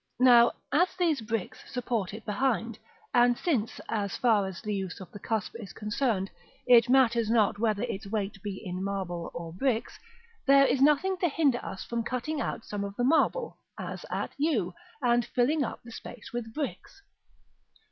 Now, as these bricks support it behind, and since, as far as the use of the cusp is concerned, it matters not whether its weight be in marble or bricks, there is nothing to hinder us from cutting out some of the marble, as at u, and filling up the space with bricks.